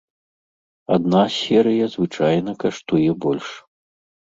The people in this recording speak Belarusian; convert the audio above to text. Адна серыя звычайна каштуе больш.